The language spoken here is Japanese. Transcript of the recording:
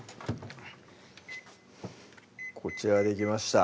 こちらできました